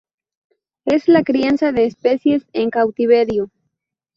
Es la crianza de especies en cautiverio.